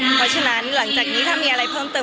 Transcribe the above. เพราะฉะนั้นหลังจากนี้ถ้ามีอะไรเพิ่มเติม